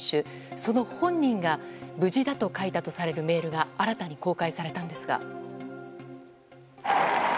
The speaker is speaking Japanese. その本人が無事だと書いたとされるメールが新たに公開されたんですが。